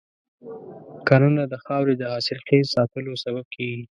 کرنه د خاورې د حاصلخیز ساتلو سبب کېږي.